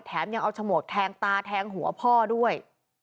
ยังเอาฉมวกแทงตาแทงหัวพ่อด้วย